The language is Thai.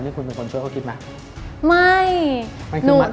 มันคือมาจากไหน